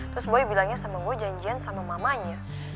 terus boy bilangnya sama gue janjian sama mamanya